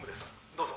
どうぞ。